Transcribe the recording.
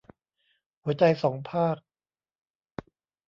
หัวใจสองภาค